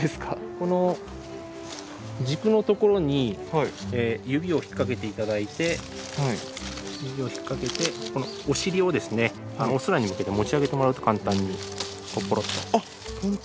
この軸のところに指を引っかけていただいて指を引っかけてこのお尻をですねお空に向けて持ち上げてもらうと簡単にこうポロッと。